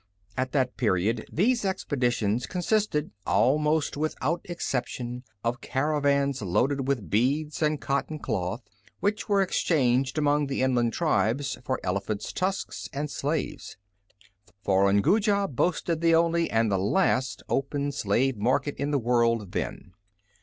At that period these expeditions consisted, almost without exception, of caravans loaded with beads and cotton cloth, which were exchanged among the inland tribes for elephants' tusks and slaves for Unguja boasted the only, and the last, open slave market in the world then.